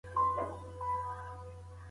دا لویه باغچه اوس ستا شخصي ملکیت ده.